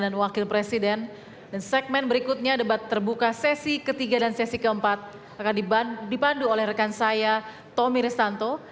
dan segmen berikutnya debat terbuka sesi ketiga dan sesi keempat akan dipandu oleh rekan saya tommy restanto